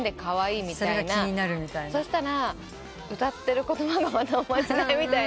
そしたら歌ってる言葉もまたおまじないみたいな言葉で。